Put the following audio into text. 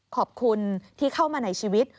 ขอบคุณที่เข้ามาในชีวิต